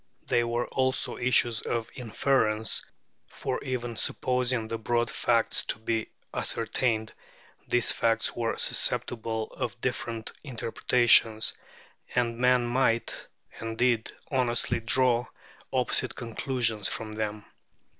They were also issues of inference, for even supposing the broad facts to be ascertained, these facts were susceptible of different interpretations, and men might, and did, honestly draw opposite conclusions from them.